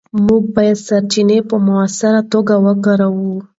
موږ باید سرچینې په مؤثره توګه وکاروو.